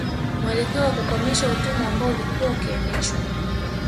Muelekeo wa kukomesha utumwa ambao ulikuwa ukiendeshwa